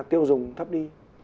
tiêu dùng thấp đi